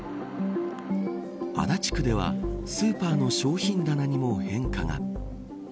足立区ではスーパーの商品棚にも変化が。